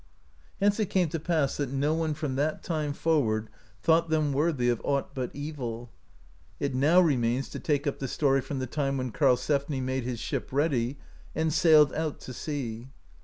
Hence it came to pass that no one from that time forward thought them worthy of aught but evil. It now remains to take up the story from the time when Karlsefni made his ship ready, and sailed out to sea.